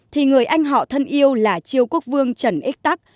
thì người anh họ thân yêu là triều quốc vương trần ích tắc